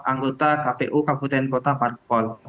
anggota kpu kabupaten kota parpol